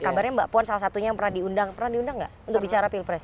kabarnya mbak puan salah satunya yang pernah diundang pernah diundang nggak untuk bicara pilpres